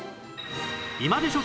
今でしょ！